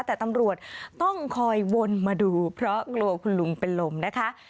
แต่ตำรวจต้องคอยวนมาดูเพราะกลัวคุณลุงเป็นลมนะคะ